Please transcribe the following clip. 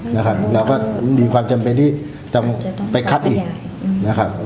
นะครับเราก็มีความจำเป็นที่จะไปคัดอีกนะครับ